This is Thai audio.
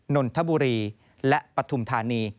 นนทบุรีและปฐุมธานี